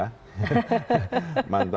mantan api koruptor